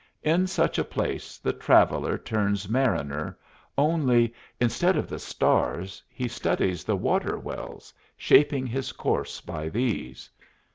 In such a place the traveller turns mariner, only, instead of the stars, he studies the water wells, shaping his course by these.